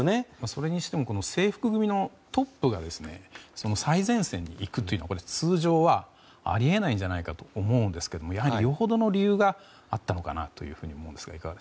それにしても制服組のトップが最前線に行くというのは通常、あり得ないんじゃないかと思うんですが、よほどの理由があったのかと思うんですが。